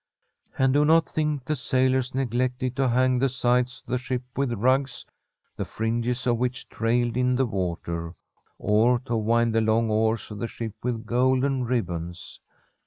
And do not think the sailors neglected to hang the sides of the ship with rugs, the fringes of which trailed in the water, or to wind the long oars of the ship with golden ribbons.